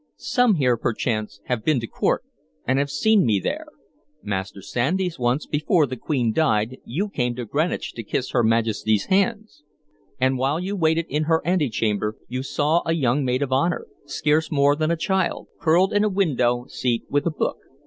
"Some here, perchance, have been to court, and have seen me there. Master Sandys, once, before the Queen died, you came to Greenwich to kiss her Majesty's hands; and while you waited in her antechamber you saw a young maid of honor scarce more than a child curled in a window seat with a book.